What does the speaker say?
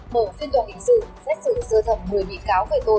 mở phiên tòa hình sự xét xử sơ thẩm người bị cáo về tội